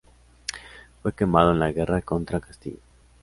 Fue quemado en la guerra contra Castilla.